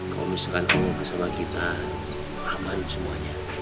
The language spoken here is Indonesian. kalau misalkan umum bersama kita aman semuanya